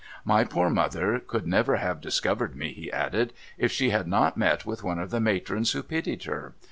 ' My poor mother could never have discovered me,' he added, ' if she had not met with one of the matrons who pitied her.